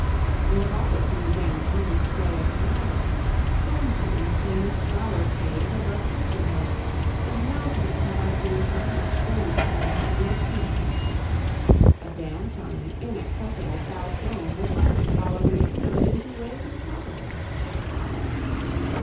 We have also seen dancing in the spray of Niagara; dancing in the famous Bower Cave above Coulterville; and nowhere have I seen so much dancing as in Yosemite. A dance on the inaccessible South Dome would likely follow the making of an easy way to the top of it.